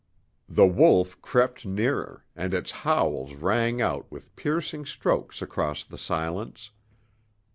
The wolf crept nearer, and its howls rang out with piercing strokes across the silence.